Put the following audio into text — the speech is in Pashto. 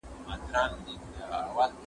د پاچا د لوڅ بدن خبره سره سوه